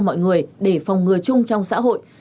mọi người để phòng ngừa chung trong xã hội